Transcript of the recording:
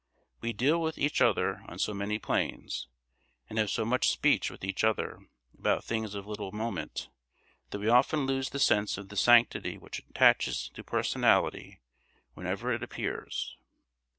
We deal with each other on so many planes, and have so much speech with each other about things of little moment, that we often lose the sense of the sanctity which attaches to personality whenever it appears.